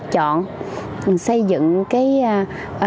chọn xây dựng cái hội viên phụ nữ